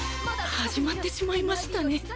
始まってしまいましたね。